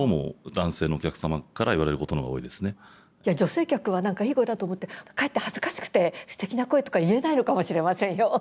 女性客は何かいい声だと思ってかえって恥ずかしくて「すてきな声」とか言えないのかもしれませんよ。